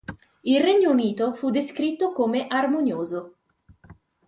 Il loro regno unito fu descritto come armonioso.